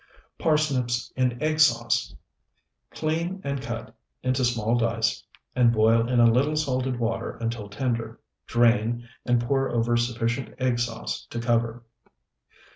PARSNIPS IN EGG SAUCE Clean and cut into small dice and boil in a little salted water until tender, drain and pour over sufficient egg sauce to cover.